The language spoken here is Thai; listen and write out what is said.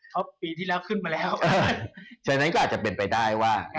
เขาปีที่แล้วขึ้นมาแล้วฉะนั้นก็อาจจะเป็นไปได้ว่า